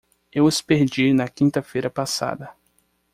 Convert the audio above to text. Eu os perdi na quinta-feira passada.